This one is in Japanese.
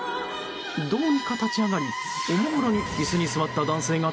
どうにか立ち上がりおもむろに椅子に座った男性が